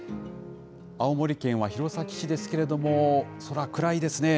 青森県は弘前市ですけれども、空、暗いですね。